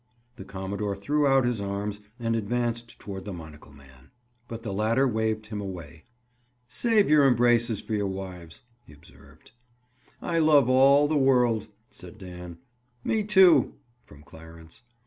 The commodore threw out his arms and advanced toward the monocle man. But the latter waved him away. "Save your embraces for your wives," he observed. "I love all the world," said Dan. "Me, too!" from Clarence.